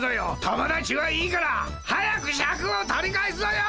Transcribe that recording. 友達はいいから早くシャクを取り返すぞよ！